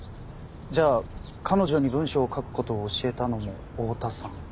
じゃあ彼女に文章を書く事を教えたのも大多さん？